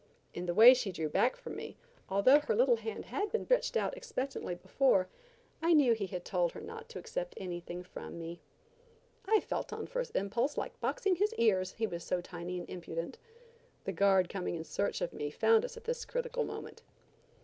In the way she drew back from me, although her little hand had been stretched out expectantly before, I knew he had told her not to accept anything from me. I felt on first impulse like boxing his ears, he was so tiny and impudent. The guard coming in search of me, found us at this critical moment.